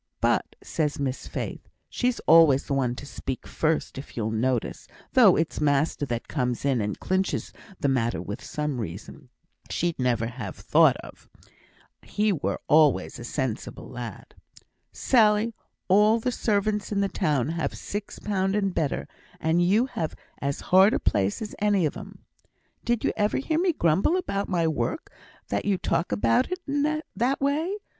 'But,' says Miss Faith (she's always the one to speak first if you'll notice, though it's master that comes in and clinches the matter with some reason she'd never ha' thought of he were always a sensible lad), 'Sally, all the servants in the town have six pound and better, and you have as hard a place as any of 'em.' 'Did you ever hear me grumble about my work that you talk about it in that way?